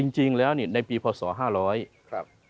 จริงแล้วเนี่ยในปีพศ๕๐๐ครับ